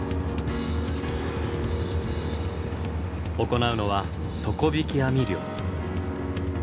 行うのは底引き網漁。